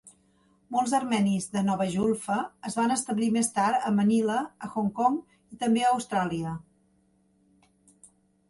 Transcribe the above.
Molts armenis de Nova Julfa es van establir més tard a Manila, a Hong Kong i també a Austràlia.